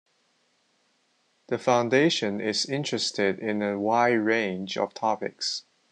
The Foundation is interested in a wide range of topics.